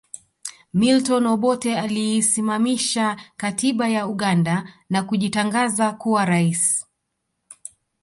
Milton Obote aliisimamisha katiba ya Uganda na kujitangaza kuwa rais